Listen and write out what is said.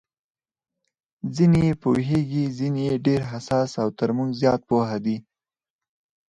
ځینې یې پوهېږي، ځینې یې ډېر حساس او تر موږ زیات پوه دي.